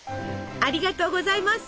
ありがとうございます！